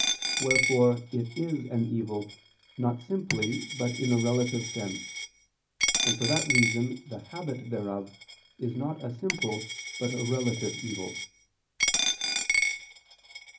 Wherefore it is an evil, not simply, but in a relative sense: and for that reason the habit thereof is not a simple but a relative evil.